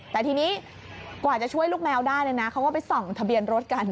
แต่ทีนี้กว่าจะช่วยลูกแมวได้เลยนะเขาก็ไปส่องทะเบียนรถกัน